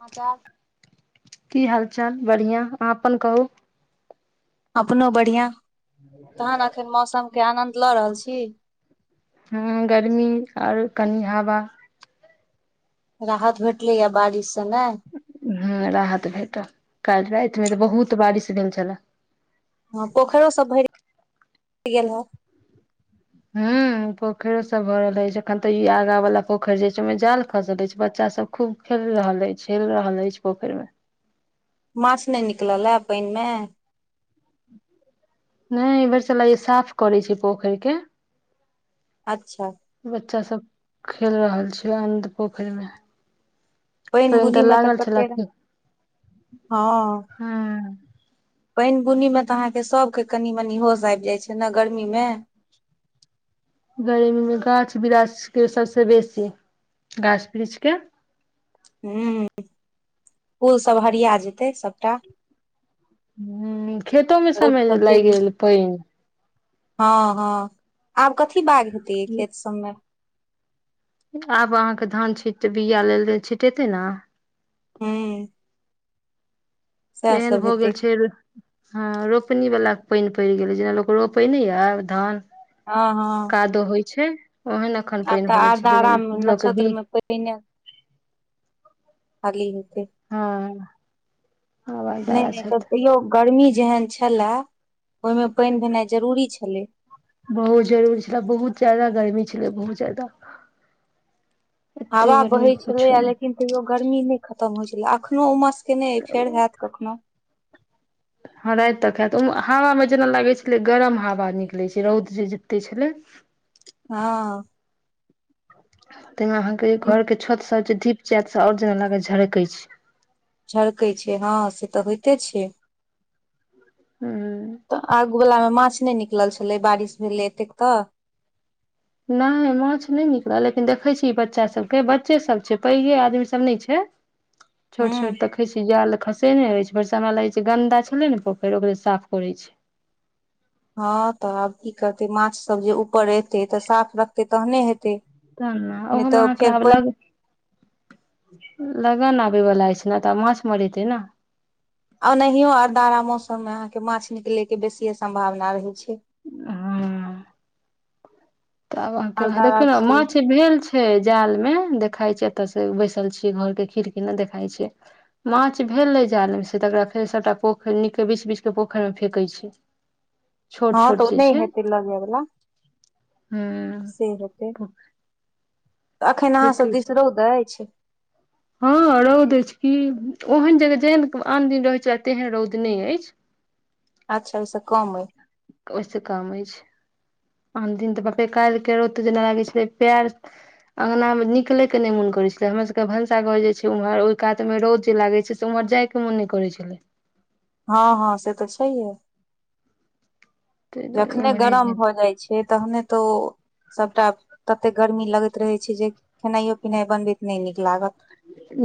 समाचार की हालत। चल बढ़िआं अहाँ अपन कहू। अपननोो बढ़िआ। तहन अखन मौसम के आनन्द बतला रहल छी। हँ गर्मी आओर कनि हवा राहत भेटल या बारिश से ने ह राहत भेट कल भ तऽ बहुत बारिश भेलेल छल ह पोखरो स हे प गेललहु। ह पोखरिो सब भ रहल अछि एखन तऽ ई आगा वालला पोखरि जा छै ओहिमे जाल खसल अछि छै बच्चा सब खूब खेल रहल अछि हेल रहल अछि पोखरि मे मस ने निकल ल पहिनमे। नहि एहि बेर चला साफ करै छै पोखरिके। अच्छा बच्चा सब खेल रहल छीिय अन्ध पोखरिमे। पानि बुनीमे तऽ कते रह हँ। हँ पानि बुनीमे तऽ अहाँके सभके कनि मनि होश आबि जाइ छै ने गर्मीमे। गर्मीमे गाछ वृछके सभसे बेसी गाछ वृक्षके। ह्म्म फूलसभ हरिया जेतै सभटा ह खेतोमे समय लागि गेल पानि हँ हँ आब कथी ी बाग हेै खेत सममे आब अहाँके धान छीट तऽ बीआा लेल छिटेतै ने हँ। तेहन भऽ गेल छै। हँ रोपनी वालला पानि पड़ि गेलै जेना लोक रोपेने यए धान हँ हँ कादो होइ छै। ओहन एखन आब पानि तऽ भऽ गेल छै लेकिन आरद्रामे लोक भी न्षत्रमे पहिने खाली ह हँ। आवाज नहि दादा नहि तऽ छथि तयो गर्मी जेहन छल बहुत जरूरी छल बहुत जादा गर्मी किने बहुत जाददा हवा बहै छलैया लेकिन तैयो गर्मी नहि ख हो छल एख ओ मास कि नहि फेर होयैत कखनो। हँ राति तक हात ओहि हवामे जेना लागै छलै गरम हवा निकलैत छै रौद जे जुतितै छलै। हँ। ह। ताहि में अहाँके घर के छत सब छै दीप जात से आओर जेना लाग झरक छै। झरकै छै हँ से तऽ होइते छै। ह तऽ आग बलामे माछ नहि निकलल छलै बारिश भेल एेक तऽ। नहि माछ नहि निकलल लेकिन देखै छी ई बच्चा सभके बच्चे सभ छै पैघे आदमीसभ नहि छै छोट हूं छोट देखै छी इ ल खसे नहि होइ छै बरसा हमरा लगै छै गन्दा छलै ने पोखरि ओकरे साफ करै छै। हँ तऽ आब की करतै माछसभ जे ऊपर एतै तऽ साफ रखतै तखने हेतै। त नहि ओहो मह तऽ फेर ख्यबला पानि लगन आबयवला अछि ने तऽ माछ मरेतै ने। ओ ओनाहियो आओरदारा मौसम मे अहाँके माछ निकले के बेसीए सम्भावना रहैत छै। हँ। तऽ आब अहाँके वएह अरदारा देखियौ ने छियै माछ भेल छै। छै जालमे देखाइ छै। एतयसे बैसल छियै घरके खिड़की लग देखाइ छै। माछ भेलै, जालमे से तकरा फेर सबटा पोखरि नीकके बीछ-बीछ के पोखरिमे फेेकै छै। छोट हँ, छोट तऽ ओ नहि हेतै लऽ जाइवला। ह्म तऽ त एखन अहाँसभ दिसरौद अछि। हँ रौद अछि की ओहन जगह जेहन आन दिन रहैत छै आ तेहन रौद नहि अछि। अच्छा, ऊसँ कम अइ? ओहिसँ काम अछि। आन दिन तऽ बाप रे काल्हिके रौद तऽ जेना लागै छलै पएर अङ्गनामे निकलयके नहि मोन करै छलै। हमरा सभके भनसाघर जे छै ओम्हर, ओहि कातमे रौद जे लागै छै, से ओम्हर जायके मोन नहि करै छलै। हँ हँ, से तऽ छैहे। ताहि दुआरे जखने इम्हरे गरम भऽ जाइ छै, तखने तऽ ओ सभटा ततेक गर्मी लगैत रहै छै जे खेनाइयो-पिनाइ बनबैत नहि नीक लागत।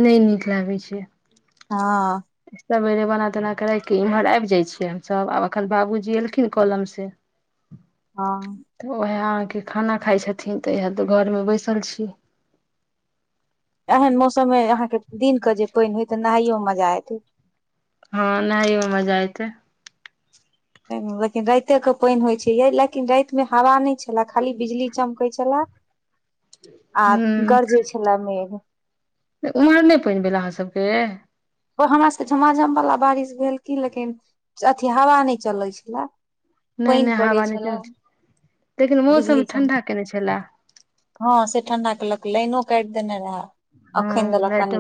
नहि नीक लागै छै। हँ। सबेरे बना-तना कऽ राखि के इम्हर आबि जाइ छियै हमसभ आब एखन बाबूजी एलखिन कलमसे हँ तऽ ओएह खाना खाइ छथिन तऽ इएह तऽ घरमे बैसल छी। एहन मौसममे अहाँके दिन कऽ जे पानि होय त नहाइयोमे मज- -जा आइत। हँ, नहाइयोमे मजा एतै। लेकिन राइतेके पानि होइ छै। यै, लेकिन रातिमे हवा नहि छलए, खाली बिजली चमकै छलए आ गरजै छलए मेघ। तऽ ओम्हर नहि पानि भेल अहाँ सभके? ओ हमरा सभके झमाझमवला बारिश भेल की, लेकिन अथि हवा नहि चलै छलए। नहि नहि, हवा नहि चलल, लेकिन मौसम बिजली चम ठण्ढा केने छलए। हँ, से ठंडा केलक। लाइनो काइट देने रहए। हँ, लाइटो,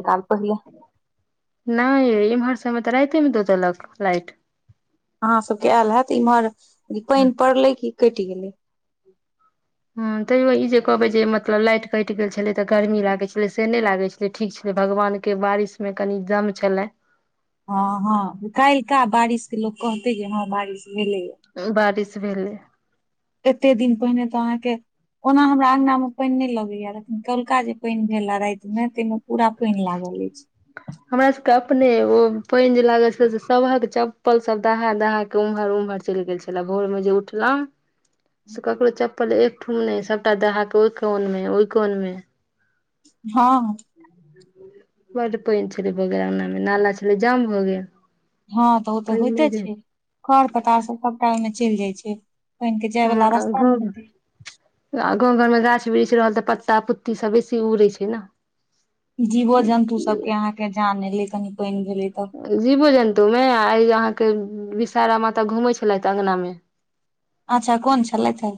नहि यै इमहर सभमे तऽ राइतेमे द देलक लाइट। अहाँ सभके आएल हएत, इम्हर ई पाइन पड़लै कि कैट गेलै। ह्म, तैयो ई जे कहबै जे मतलब लाइट कटि गेल छलै तऽ गर्मी लागै छलै, से नहि लागै छलै। ठीक छलै। भगवानके बारिशमे कनि दम छलैन। हँ हँ, काल्हिका बारिश लोक कहतै जे हँ बारिश बारिश [unintelligible] एतेक दिन पहिने तऽ अहाँके, ओना हमरा अङ्गनामे पानि नहि लगैए, लेकिन कल्हुका जे पानि भेलए रातिमे, तहिमे हमरा सबके अपने ओ पेएन जे लागल छल से सभहक चप्पल सब दहा-दहा के उम्हर-उम्हर चैल गेल छला भोर मे जे उठलौ से ककरो चप पल एक ठोम नै सबटा दहा कऽ ओय कोन मे, ओय कोन मे हाँ। बड्ड पानि छलै भऽ गेल अंगनामे। नाला छलै जाम भऽ गेल। हँ, तऽ ओ तऽ पानि नहि होइते भेल छै। खढ़-पत्तासभ सभटा ओहिमे चलि जाइ छै। पानि के जाय हाँ वाला अ रास्ता नहि गांव हेतै मे आ गाव घर मे गाछ-वृछ रहल तऽ पत्ता-पुत्ती सब बेसी उड़ै छै ना। जीवो जन्तु सबके अहाँ के जान ले तनी पेएन जीब जंतु मे आय इहां के विषारा माता घूमै छलैथ अंगना मे। अच्छा कोन छलैथ हे,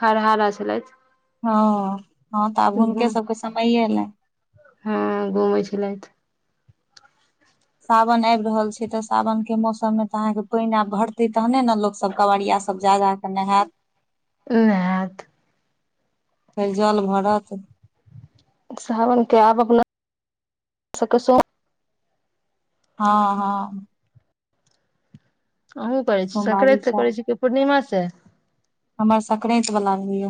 हरहारा छलथि हाँ हाँ तऽ आब हुनके सबके समैये एलै। हँ घूमै छलथि सावन आएब रहल छै ते सावन के मौसम मे तऽ अहाँ के पेएन आब भरतै तहने ने लोक सब, कवरिया सब जा जा केऽ नहाय नहाएत। फेर जल भरत। सावन के आब अपना सके सब हाँ-हाँ। अहूं करै छी, सोमवारी संक्रेत से करै छी कि पूर्णिमा से। [unintelligible] हमरा सक्रैत बला होय या।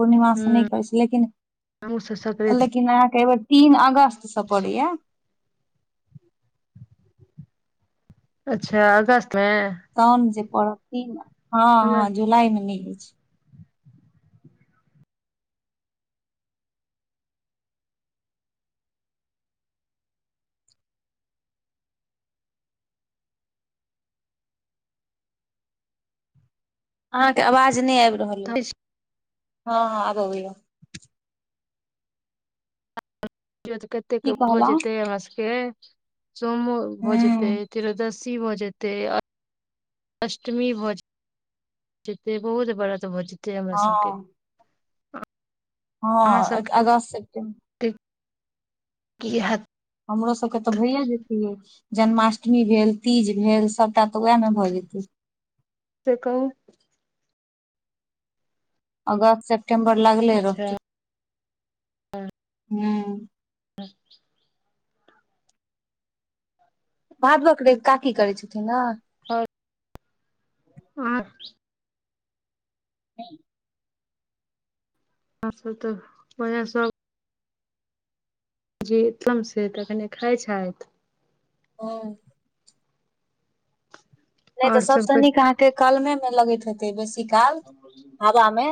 पूर्णिमा से नै हमहूँ करै छी, लेकिन सब सकराति लेकिन अहाँ के एबेर तीन अगस्त से पड़े या। अच्छा अगस्त मे। पड़तिन। हाँ हमरा हाँ जुलाई मे नै हय छै। अहाँ के अवाज नै आएब रहल ए, हाँ। हाँ आब अबै या। [unintelligible] कते के की भोज कहलौं हेतै हमरा सेके। [unintelligible] सोमो भ जेतै हूं तीरोदसी। सी भ जेतै आ अष्टमी भ जेतै जते बहुत बड़ा [unintelligible] के हमरा सबके [unintelligible] अहाँ हाँ अ सबके अगस्त, सिप्टेम की हाएत हमरो सबके त भैयए जेतै मैं। जन्माष्टमी भेल, तीज भेल सभटा त उएहमे भ जेतै। से कहु। अगस्त, सेप नम्बर लगले अच्छा रहतै। हुं। [inaudible] भादवक रवि काकी करै छथिन ने? हां। आं हुं। आर सब त, ओहे सब जे तमसे तखनि खाइ छथि। हुं। नहि त आओर सब सबसे तऽ नीक अहांके कलमे लगैत हेतै बेस। इ काल, हवा मे,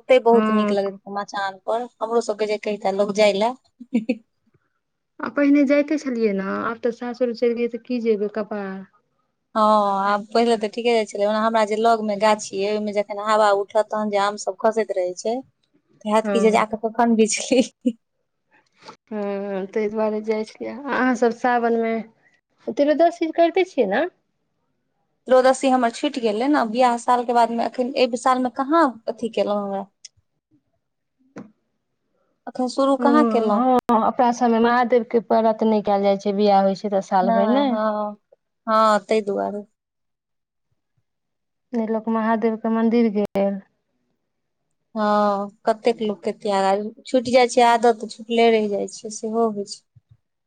ओतै हँ बहुत नीक लगैत हेतै मचान और हमरो सबके जे लोक कहितय जाय ले। आ पहिने जाइते छलियै ने, आब त सासुर चलि गेलियै त कि जेबै कपार। हां, आब पहिले त ठीके जाइत छलहुं, हमरा जे लग मे गाछी अछि ओहिमे जखैन हवा उ ठत तखन आम सब खसैत रहै छै। हैत हँ कि जे जा क कखैन बिछी। उं हुं। हुं, तै दुआरे जाइ छियै, अहां सब सावनमे तिरोदसी करिते छियै ना? तिरोदसी हमर छुटि गेलै ने। बियाह सालके बादमे एखन, एहि सालमे कहां अथि केलहुं हें। हुं, हां, अपना सबमे महादेव के व्रत नै कयल जाइ छै। से बिआह होइ छै। तऽ साल नै, भरि ने हां, हां तैं दुआरे। नै लोक महादेवके मन्दिर गेले। हँ कतेक लोक के त्याग छुटि जाइ छै आदत तऽ छुटले रहि जाय छै सेहो होइ छैय।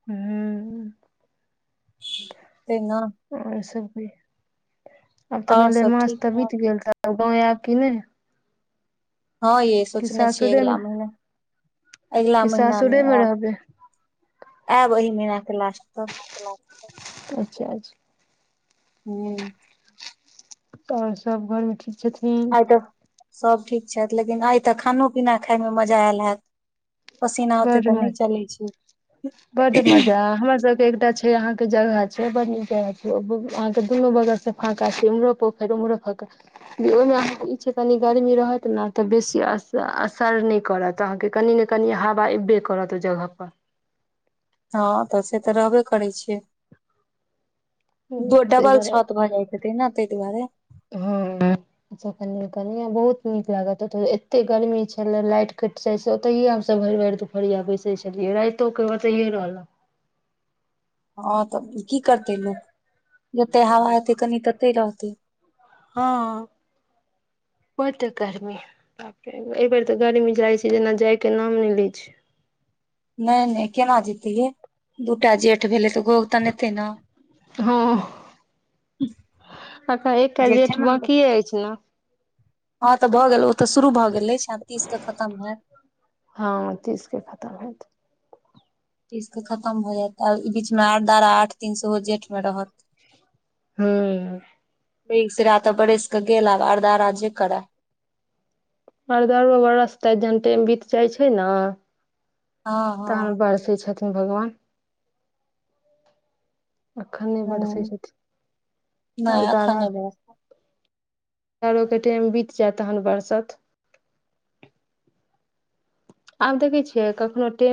ह ते ने और सब भी आब त और मले सब मास ठीक त ठाक बित गेल त लगैया अकेले। हां, यै सोचने छियै अगिला महिना, अगिला कि महिना मे सासुरेमे आयब, रहबै आयब एहि महिना के लास्ट में। तब [unintelligible] अच्छा अच्छा। हूं। और सब घरमे ठीक। छथिन। सभ ठीक छथि लेकिन आइ तऽ खानो पीना खायमे मजा आयल हैत। पसीना होते बड त नहि मज चले छैय। बड मजा हमर सबके एकटा छैय अहाँके जगह छैय बड़ नीक जह छै अहाँके दुनू बगलसँ फाँका छैम्हरो पोखरि उम्हरो फका ओहिमे अहाँके ई छै कनि गर्मी रहत ने तऽ बेसी अस असर नहि करत अहाँके कनि ने कनि हवा अयबे करत ओ जगह पर। हँ से तऽ रहबे करै छियै। त ताहि डबल दुआरे छत भऽ जाइ छैय। एने तै दुआरे। हँ [unintelligible] कनिए बहुत नीक लागत ओ एतेक गर्मी छलै लाइट कटि जाइ छै ओतहिए हमसभ भरि भरि दुपहरिया बैसै छलियै रातोे के ओतैए रहलों। हँ तऽ की करतै लोक। जते हवा एतै कनि तते रहतै। बड गर्मी बापरे ए बेेर तऽ गर्मी जाइ छै जेना जायके नाम नहि लैत छैय। नहि नहि केना जेतै ये दू टा जेठ भेलै तऽ घोघ तनेतै ने हँ अ त एकटा जेठे जेठ मे ने। बकिए अछि ने। हँ तऽ भऽ गेल ओ तऽ शुरू भऽ गेले। हँ तीस के खतम हेत। ईसके खतम भऽ जायत आ ई बीचमे आर दारा आठ तीन सेहो जेठमे रहत। हूं। [unintelligible] तऽ बरस कऽ गेल आर दरा जे करै। अरदरो मे बरस तऽ जहन टाइम बीत जाइत छै ने हँ तहन बरसै छथिन भगवान एखन नहि बरसै हँ छथिन नहि अरदारा एखन नहि भेल। अनेरो के टाइम बीत जायत तब बरसत आब देखै छियै कखनो टे